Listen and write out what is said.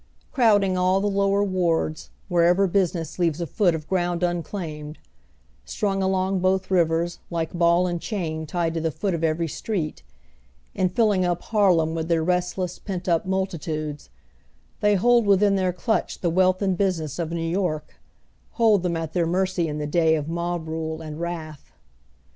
Crowding all the lower wards, wherever business leaves a foot of ground un claimed; strung along both rivers, like ball and chain tied to the foot of every street, and lilling up Harlem with their restless, pent up jnultitudes, they hold within their clutch the wealth and business of New York, hold them at their mercy in the day of mob rule and wrath.